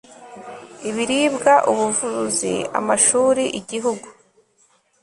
ibiribwa, ubuvuzi, amashuli, igihugu